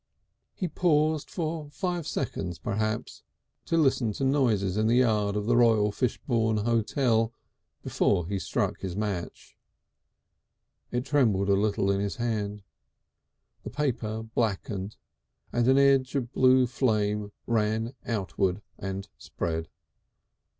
He paused for five seconds, perhaps, to listen to noises in the yard of the Royal Fishbourne Hotel before he struck his match. It trembled a little in his hand. The paper blackened, and an edge of blue flame ran outward and spread.